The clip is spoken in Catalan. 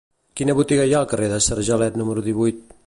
Quina botiga hi ha al carrer de Sargelet número divuit?